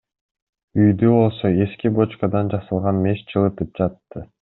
Үйдү болсо эски бочкадан жасалган меш жылытып жатты.